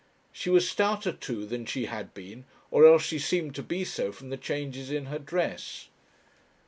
She was stouter too than she had been, or else she seemed to be so from the changes in her dress.